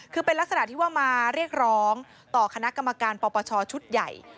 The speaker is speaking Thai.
คือเป็นลักษณะที่ว่ามาเรียกร้องต่อคณะกรรมการปปชชุดใหญ่